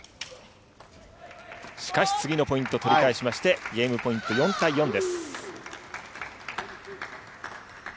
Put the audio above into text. しかし、次のポイント取り返しまして、ゲームポイント４対４です。